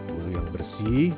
burung yang bersih